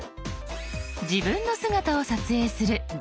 自分の姿を撮影する「自撮り」。